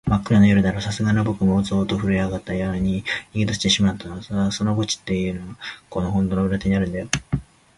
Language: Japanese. まっくらな夜だろう、さすがのぼくもゾーッとふるえあがって、やにわに逃げだしてしまったのさ。その墓地っていうのは、この本堂の裏手にあるんだよ。